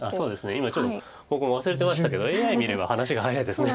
今ちょっと僕も忘れてましたけどＡＩ見れば話が早いですね。